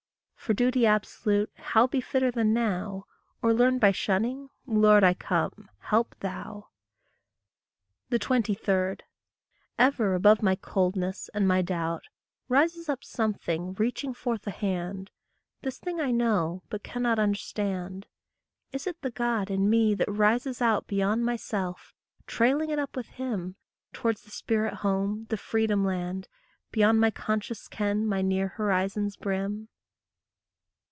For duty absolute how be fitter than now? Or learn by shunning? Lord, I come; help thou. 23. Ever above my coldness and my doubt Rises up something, reaching forth a hand: This thing I know, but cannot understand. Is it the God in me that rises out Beyond my self, trailing it up with him, Towards the spirit home, the freedom land, Beyond my conscious ken, my near horizon's brim?